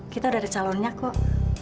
kita udah ada calonnya kok